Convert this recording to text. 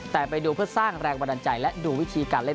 แต่ไปดูเพื่อสร้างแรงบันดาลใจและดูวิธีการเล่น